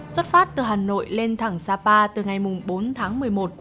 xuất phát từ hà nội lên thẳng sapa từ ngày bốn tháng một mươi một